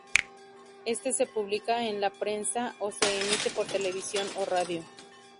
Este se publica en la prensa o se emite por televisión o radio.